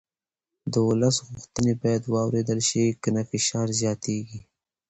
د ولس غوښتنې باید واورېدل شي که نه فشار زیاتېږي